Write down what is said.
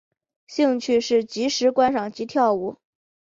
兴趣是即时观赏及跳舞。